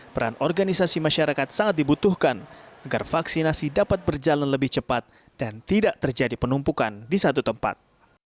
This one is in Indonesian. peran organisasi masyarakat sangat dibutuhkan agar vaksinasi dapat berjalan lebih cepat dan tidak terjadi penumpukan di satu tempat